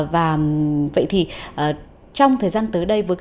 và vậy thì trong thời gian tới đây